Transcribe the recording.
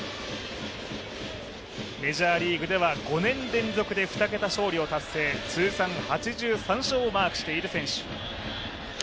メジャーリーグでは５年連続で２桁勝利を達成を通算８３勝をマークしている選手。